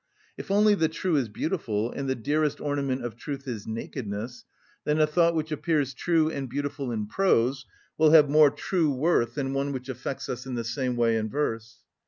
If only the true is beautiful, and the dearest ornament of truth is nakedness, then a thought which appears true and beautiful in prose will have more true worth than one which affects us in the same way in verse.